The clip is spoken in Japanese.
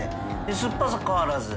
酸っぱさ変わらず。